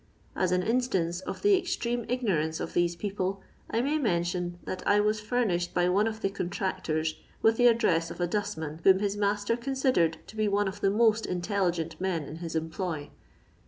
As an instance of the extreme ignonmoe of th«se people, I may mssrtion that I was furnished by one of the contraotofa with the addreM of a dustman whom his master considered to be one of the most in telligent men in his employ.